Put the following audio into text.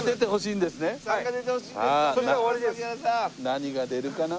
何が出るかな？